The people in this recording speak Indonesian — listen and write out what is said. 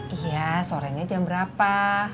iya sorenya jam berapa